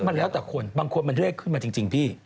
มันแล้วแต่คนบางคนมันเลขขึ้นมาจริงพี่